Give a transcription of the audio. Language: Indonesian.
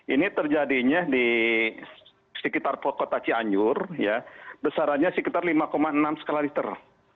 ini terjadinya di sekitar kota cianjur besarannya sekitar lima enam skala liter